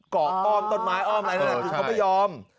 เกาะอ้อมต้นไม้อ้อมอะไรอย่างนี้เขาไม่ยอม